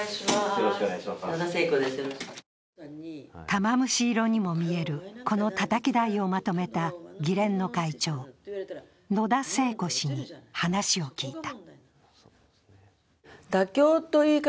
玉虫色にも見える、このたたき台をまとめた、議連の会長、野田聖子氏に話を聞いた。